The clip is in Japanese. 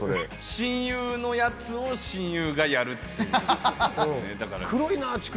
親友のやつを親友がやるって黒いな乳首。